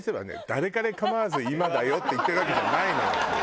誰彼構わず「今だよ！」って言ってるわけじゃないのよ。